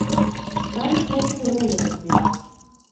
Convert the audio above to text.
Сталі хлопцы ролі разбіраць.